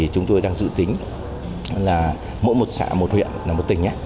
chúng tôi đang dự tính là mỗi một xã một huyện là một tỉnh